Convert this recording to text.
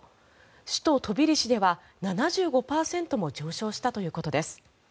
首都トビリシでは７５％も上昇したということです。